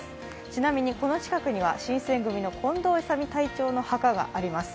ちなみにこの近くには新選組の近藤勇隊長の墓があります。